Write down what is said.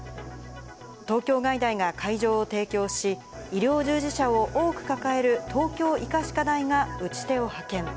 東京外大が会場を提供し、医療従事者を多く抱える東京医科歯科大が打ち手を派遣。